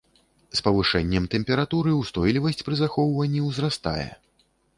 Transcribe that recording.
З павышэннем тэмпературы ўстойлівасць пры захоўванні ўзрастае.